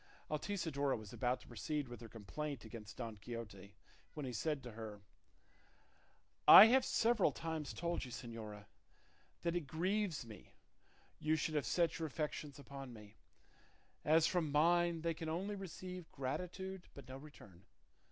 Altisidora was about to proceed with her complaint against Don Quixote, when he said to her, "I have several times told you, señora, that it grieves me you should have set your affections upon me, as from mine they can only receive gratitude, but no return.